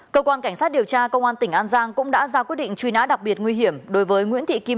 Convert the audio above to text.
cơ quan cảnh sát điều tra công an tỉnh an giang cũng đã ra quyết định truy nã đặc biệt nguy hiểm